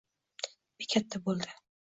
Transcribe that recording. Bekatda bo‘ldi.